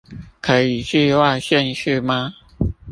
可以寄外縣市嗎